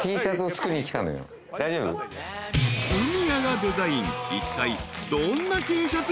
［フミヤがデザイン］